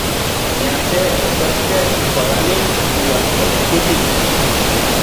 Miakej opejkej kualanij iuan Tetlikuiti.